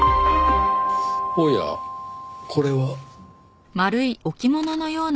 おやこれは？